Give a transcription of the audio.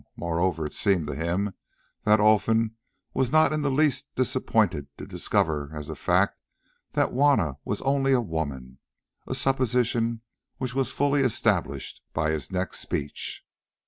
Moreover it seemed to him that Olfan was not in the least disappointed to discover as a fact that Juanna was only a woman—a supposition which was fully established by his next speech.